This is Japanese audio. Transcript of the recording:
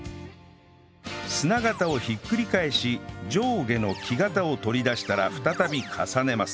砂型をひっくり返し上下の木型を取り出したら再び重ねます